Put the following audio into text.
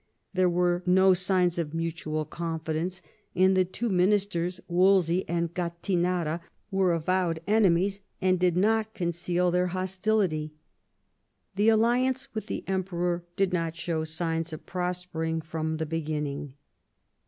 There were no signs of mutual confidence ; and the two ministers, Wolsey and Gattinara, were avowed enemies, and did not conceal their hostility. The alliance with the Emperor did not show signs of prospering from the beginning.